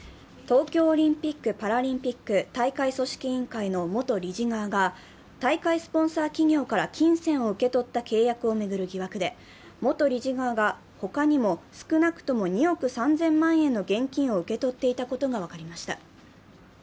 東京オリンピック・パラリンピック大会組織委員会の元理事側が大会スポンサー企業から金銭を受け取った契約を巡る疑惑で元理事側はほかにも少なくとも２億３０００万円の現金を受け取っていたことが分かりました。